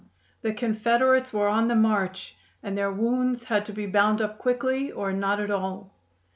The Confederates were on the march, and their wounds had to be bound up quickly or not at all.